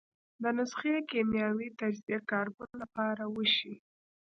د نسخې کیمیاوي تجزیه کاربن له پاره وشي.